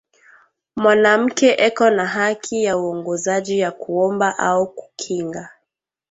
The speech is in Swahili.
Mwanamuke eko na haki ya uwongozaji ya ku omba ao ku kinga